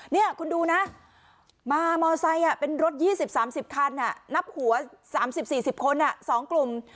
นี่คุณดูนะมามอไซค์เป็นรถ๒๐๓๐คันนับหัว๓๐๔๐คน๒กลุ่ม